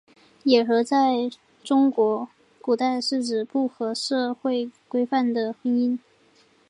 野合在中国古代是指不合社会规范的婚姻。